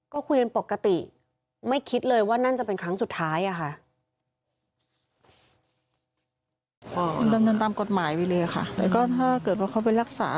ก็คุยกันปกติไม่คิดเลยว่านั่นจะเป็นครั้งสุดท้ายค่ะ